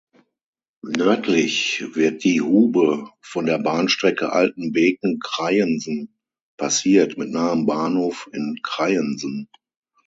Nördlich wird die Hube von der Bahnstrecke Altenbeken–Kreiensen passiert, mit nahem Bahnhof in Kreiensen.